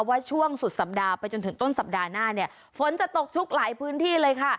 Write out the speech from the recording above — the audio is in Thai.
ว่าช่วงสุดสัปดาห์ไปจนถึงต้นสัปดาห์หน้าเนี่ยฝนจะตกชุกหลายพื้นที่เลยค่ะ